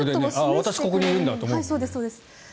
私、ここにいるんだと思うもんね。